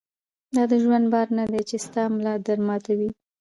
دا د ژوند بار نه دی چې ستا ملا در ماتوي.